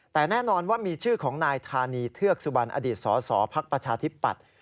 แต่แน่นอนว่ามีชื่อของนายธานีเทือกสุบันอดิษศศพธิปัตย์